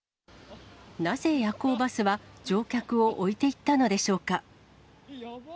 なぜ夜行バスは乗客を置いていったのでしょうか。